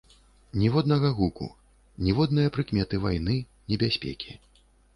Ніводнага гуку, ніводнае прыкметы вайны, небяспекі.